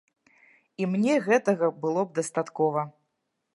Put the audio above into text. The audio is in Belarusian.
І мне гэтага было б дастаткова.